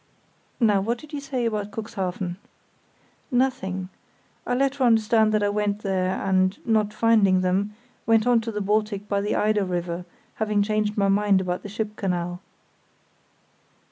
"Now what did you say about Cuxhaven?" "Nothing. I let her understand that I went there, and, not finding them, went on to the Baltic by the Eider river, having changed my mind about the ship canal."